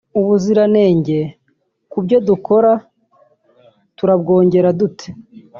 ubuziranenge ku byo dukora turabwongera dute